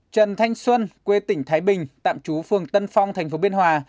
trần thanh xuân quê tỉnh thái bình tạm chú phường tân phong tp biên hòa